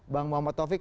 bang muhammad taufik